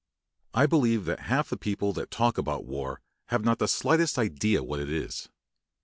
I believe that half the people that talk about war have not the slightest idea what it is.